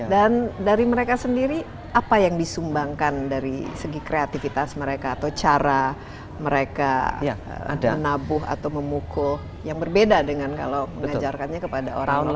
dan dari mereka sendiri apa yang disumbangkan dari segi kreativitas mereka atau cara mereka menabuh atau memukul yang berbeda dengan kalau mengajarkannya kepada orang lokal